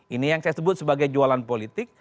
ini yang saya sebut sebagai jualan politik